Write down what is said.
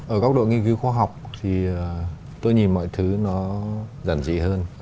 ở góc độ nghiên cứu khoa học thì tôi nhìn mọi thứ nó giản dị hơn